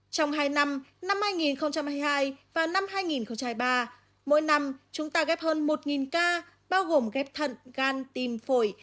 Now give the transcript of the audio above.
trong hai năm năm hai nghìn hai mươi hai và năm hai nghìn hai mươi ba mỗi năm chúng ta ghép hơn một ca bao gồm ghép thận gan tim phổi